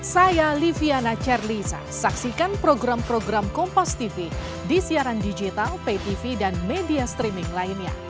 saya liviana charlisa saksikan program program kompos tv di siaran digital pay tv dan media streaming lainnya